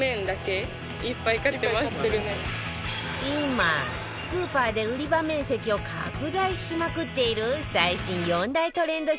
今スーパーで売り場面積を拡大しまくっている最新４大トレンド